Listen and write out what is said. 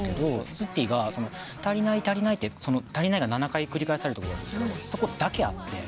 すってぃが「足りない足りない」って「足りない」が７回繰り返されるところがあるんですけどそこだけあって。